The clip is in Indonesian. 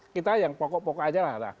kita yang pokok pokok aja lah ada